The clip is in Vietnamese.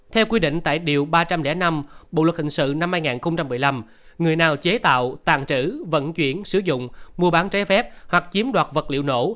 theo quy định tại điều ba trăm linh năm bộ luật hình sự năm hai nghìn một mươi năm người nào chế tạo tàn trữ vận chuyển sử dụng mua bán trái phép hoặc chiếm đoạt vật liệu nổ